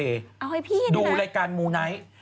เอาให้พี่เห็นนะดูรายการมูไนท์